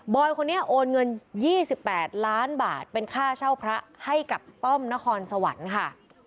คนนี้โอนเงิน๒๘ล้านบาทเป็นค่าเช่าพระให้กับต้อมนครสวรรค์ค่ะ